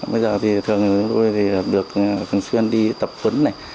bây giờ thì thường được thường xuyên đi tập quấn này